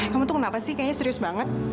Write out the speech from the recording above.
kamu tuh kenapa sih kayaknya serius banget